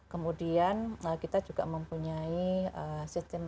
kemudian kita juga mempunyai sistem